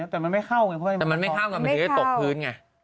แต่มันไม่เข้ากันเพราะมันไม่เข้ากันมันถือจะตกพื้นไง